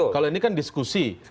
kalau ini kan diskusi